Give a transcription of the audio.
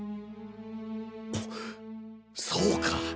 そうか！